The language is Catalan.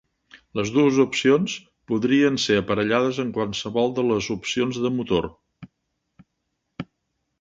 Les dues opcions podrien ser aparellades amb qualsevol de les opcions de motor.